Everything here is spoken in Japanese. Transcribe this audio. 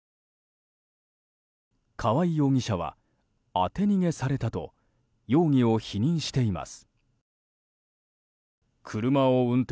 川合容疑者は、当て逃げされたと容疑を否認しています。